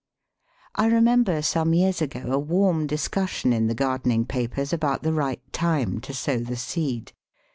I remember some years ago a warm discussion in the gardening papers about the right time to sow the seed.